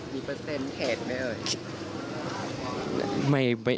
มีเปอร์เซ็นต์เพจไหม